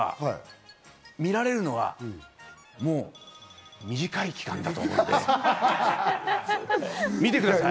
逆に言えば見られるのは、もう短い期間だと思って見てください。